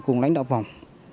cùng lãnh đạo vòng